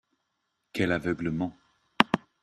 Quel aveuglement